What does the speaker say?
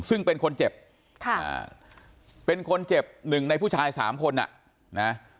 ซึ่งเป็นคนเจ็บค่ะเป็นคนเจ็บหนึ่งในผู้ชายสามคนอ่ะนะ